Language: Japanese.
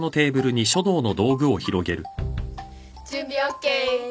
準備ＯＫ。